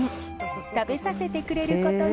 食べさせてくれることに。